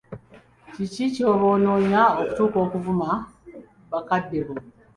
Kiki ky'oba onoonya okutuuka okuvuma bakaddebo?